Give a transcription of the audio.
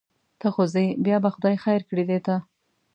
ته خو ځې بیا به خدای خیر کړي دې ته.